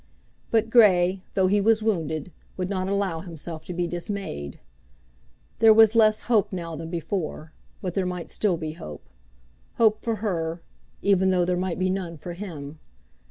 But Grey, though he was wounded, would not allow himself to be dismayed. There was less hope now than before, but there might still be hope; hope for her, even though there might be none for him.